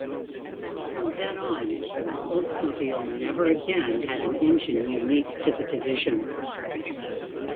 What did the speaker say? From then on, Oldsmobile never again had an engine unique to the division.